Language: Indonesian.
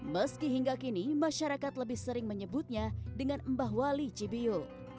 meski hingga kini masyarakat lebih sering menyebutnya dengan mbah wali cibiu